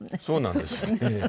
そうなんです。